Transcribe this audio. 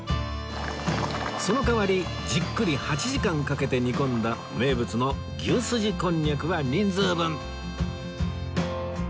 その代わりじっくり８時間かけて煮込んだ名物の牛すじコンニャクは人数分